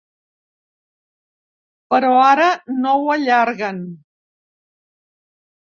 Però ara no ho allarguen.